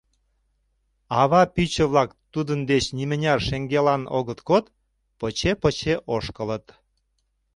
Ава пӱчӧ-влак тудын деч нимыняр шеҥгелан огыт код, поче-поче ошкылыт.